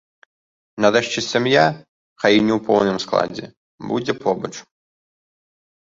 Нарэшце сям'я, хай і не ў поўным складзе, будзе побач.